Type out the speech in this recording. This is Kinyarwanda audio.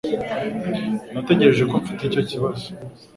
Natekereje ko mfite icyo kibazo.